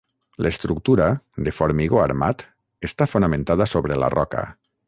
L'estructura, de formigó armat, està fonamentada sobre la roca.